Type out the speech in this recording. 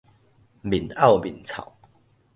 面漚面臭